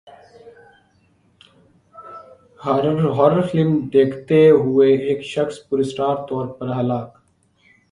horror film دیکھتے ہوئے ایک شخص پراسرار طور پر ہلاک